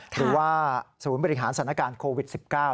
หรือว่าศูนย์บริหารสถานการณ์โควิด๑๙